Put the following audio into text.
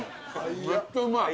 めっちゃうまい。